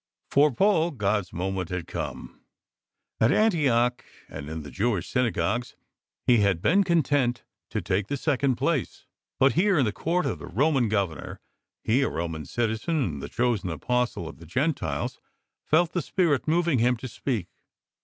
For Paul God s moment had come. At Antioch and in the Jewish synagogues he had been content to take the second place but here, in the Court of the Roman Governor, he a Roman citizen and the chosen Apostle of the Gentiles, felt the Spirit moving him to speak.